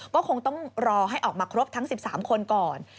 ก็คงต้องรอให้ออกมาครบทั้ง๑๓คนก่อน